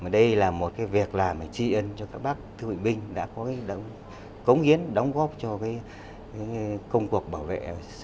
đây là một việc làm trí ân cho các bác thư viện binh đã có cống hiến đóng góp cho công cuộc bảo vệ